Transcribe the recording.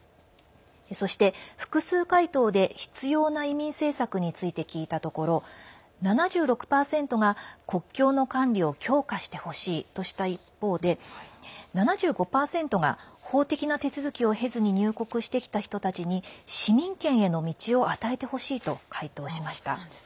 そして、複数回答で必要な移民政策について聞いたところ７６％が国境の管理を強化してほしいとした一方で７５％が法的な手続きを経ずに入国してきた人たちに市民権への道を与えてほしいと回答しました。